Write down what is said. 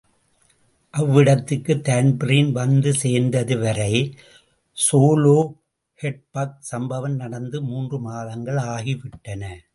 அவ்விடத்திற்குத் தான்பிரீன் வந்து சேர்ந்தது வரை ஸோலோஹெட்பக் சம்பவம் நடந்து மூன்று மாதங்கள் ஆகிவிட்டன.